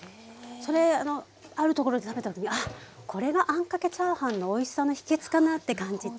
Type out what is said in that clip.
それあのあるところで食べた時に「あっこれがあんかけチャーハンのおいしさの秘けつかな」って感じて。